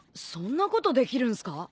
そんなことできるんすか？